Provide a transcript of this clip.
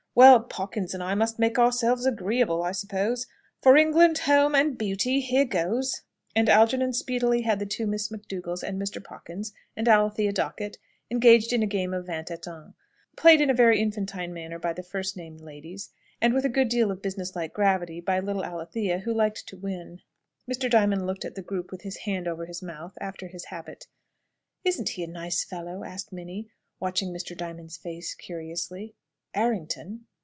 Well, Pawkins and I must make ourselves agreeable, I suppose. For England, home, and beauty here goes!" And Algernon speedily had the two Miss McDougalls, and Mr. Pawkins, and Alethea Dockett engaged in a game of vingt et un played in a very infantine manner by the first named ladies, and with a good deal of business like gravity by little Alethea, who liked to win. Mr. Diamond looked at the group with his hand over his mouth, after his habit. "Isn't he a nice fellow?" asked Minnie, watching Mr. Diamond's face curiously. "Errington?"